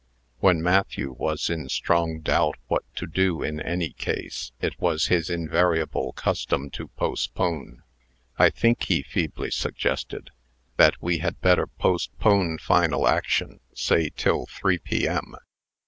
When Matthew was in strong doubt what to do in any case, it was his invariable custom to postpone. "I think," he feebly suggested, "that we had better postpone final action, say till three P.M.